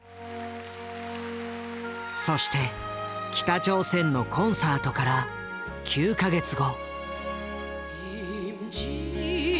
そして北朝鮮のコンサートから９か月後。